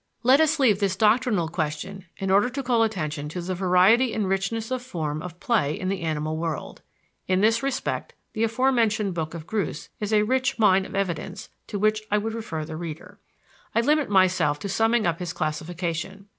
Let us leave this doctrinal question in order to call attention to the variety and richness of form of play in the animal world. In this respect the aforementioned book of Groos is a rich mine of evidence to which I would refer the reader. I limit myself to summing up his classification.